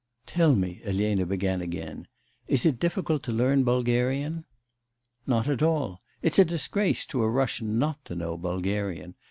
'Tell me,' Elena began again, 'is it difficult to learn Bulgarian?' 'Not at all. It's a disgrace to a Russian not to know Bulgarian.